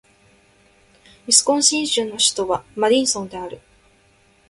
ウィスコンシン州の州都はマディソンである